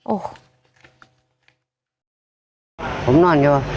โอ้โห